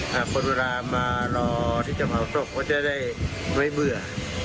หากคนเวลามารอที่จะเผาศพก็จะได้ไม่เบื่อ